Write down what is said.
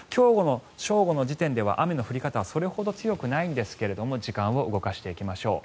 正午の時点では雨の降り方はそれほど強くないんですが時間を動かしていきましょう。